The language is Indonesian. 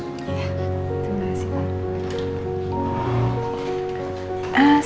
terima kasih pak